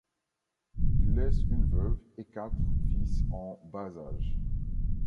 Il laisse une veuve et quatre fils en bas âge.